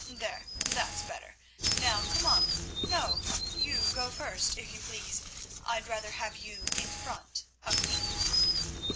There, that's better; now, come on. No, you go first, if you please, I'd rather have you in front of me."